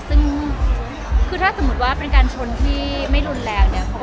ซึ่งคือถ้าสมมุติว่าเป็นการชนที่ไม่รุนแรงเนี่ย